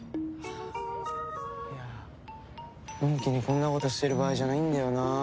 いやのんきにこんなことしてる場合じゃないんだよな。